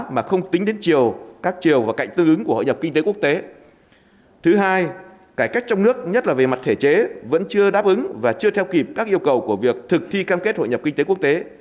mà không tính đến chiều cạnh tương ứng của hội nhập kinh tế quốc tế